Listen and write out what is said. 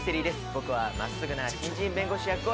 僕は真っすぐな新人弁護士役を演じます。